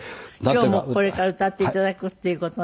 今日もこれから歌って頂くっていう事なんですけど。